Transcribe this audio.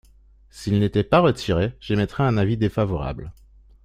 S’ils n’étaient pas retirés, j’émettrais un avis défavorable.